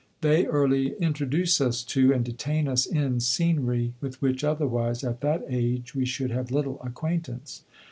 They early introduce us to and detain us in scenery with which, otherwise, at that age, we should have little acquaintance.